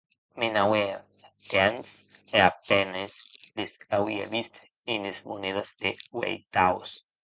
Nomenaue castèths e a penes les auie vist enes monedes de ueitaus.